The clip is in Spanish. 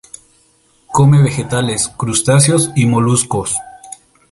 Come vegetales, crustáceos y moluscos.